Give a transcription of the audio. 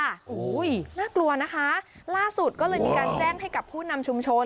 โอ้โหน่ากลัวนะคะล่าสุดก็เลยมีการแจ้งให้กับผู้นำชุมชน